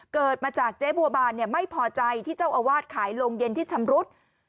เกิดมาจากเจ๊บัวบานไม่พอใจที่เจ้าอาวาสขายโรงเย็นที่ชำรุด